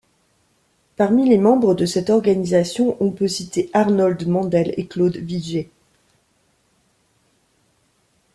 Parmi les membres de cette organisation, on peut citer Arnold Mandel et Claude Vigée.